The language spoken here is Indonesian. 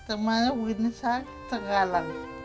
semua orang akan siapomedin aja